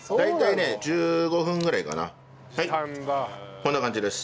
こんな感じです。